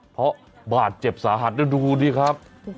เพราะบาดเจ็บสาหัสแล้วดูดิครับ